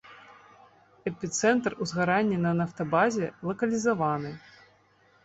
Эпіцэнтр узгарання на нафтабазе лакалізаваны.